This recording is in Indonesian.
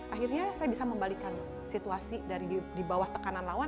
akhirnya saya bisa membalikan situasi di bawah tekanan lawan